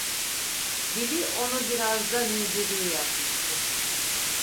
Dili onu biraz da münzevi yapmıştı.